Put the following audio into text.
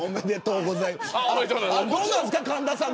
どうですか、神田さん